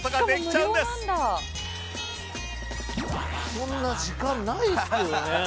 そんな時間ないっすけどね。